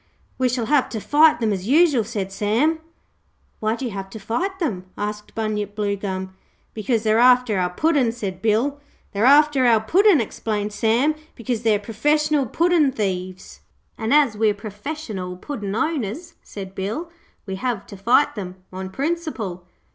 'We shall have to fight them, as usual,' said Sam. 'Why do you have to fight them?' asked Bunyip Bluegum. 'Because they're after our Puddin',' said Bill. 'They're after our Puddin',' explained Sam, 'because they're professional puddin' thieves.' 'And as we're perfessional Puddin' owners,' said Bill, 'we have to fight them on principle.